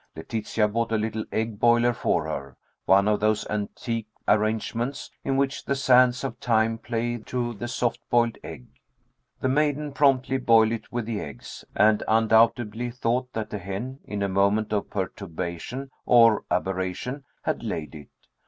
Letitia bought a little egg boiler for her one of those antique arrangements in which the sands of time play to the soft boiled egg. The maiden promptly boiled it with the eggs, and undoubtedly thought that the hen, in a moment of perturbation, or aberration, had laid it.